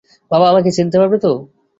বাবা আমাকে চিনতে পারবে তো?